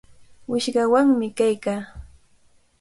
Wishqawanmi kaykaa.